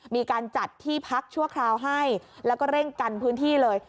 มีการจัดที่พักชั่วคราวให้แล้วก็เร่งกันพื้นที่เลย